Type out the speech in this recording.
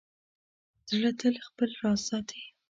زړه تل خپل راز ساتي.